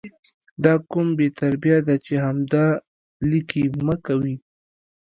دا کوم بې تربیه ده چې همدا 💩 لیکي مه کوي